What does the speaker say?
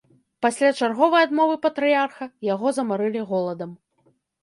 Пасля чарговай адмовы патрыярха, яго замарылі голадам.